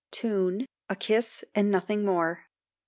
Tune "A KISS AND NOTHING MORE."